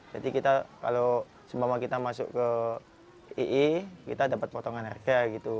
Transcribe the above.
jadi kalau sma kita masuk ke ie kita dapat potongan harga